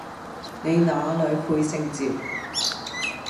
你那裡配姓趙